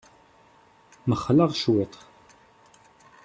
Mxelleɣ cwiṭ.